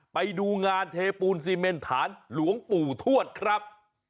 ไปดูงานเทปูนซีเมนฐานหลวงปู่ทวดครับ